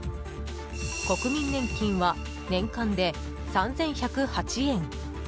国民年金は年間で３１０８円。